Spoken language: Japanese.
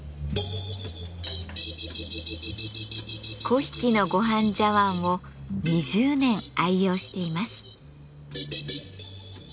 粉引のごはん茶碗を２０年愛用しています。